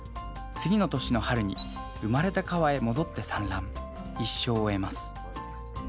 次の年の春に生まれた川へ戻って産卵一生を終えます。